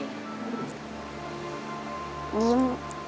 ยิ้ม